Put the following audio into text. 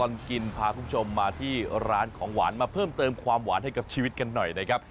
ตลอดกินพาคุณผู้ชมมาที่ร้านของหวานมาเพิ่มเติมความหวานให้กับชีวิตกันหน่อยนะครับ